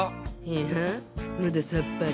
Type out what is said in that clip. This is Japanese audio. いやまださっぱり。